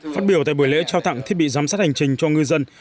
phát biểu tại buổi lễ trao tặng thiết bị giám sát hành trình cho ngư dân